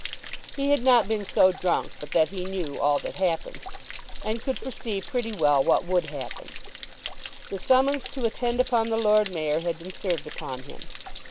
He had not been so drunk but that he knew all that happened, and could foresee pretty well what would happen. The summons to attend upon the Lord Mayor had been served upon him.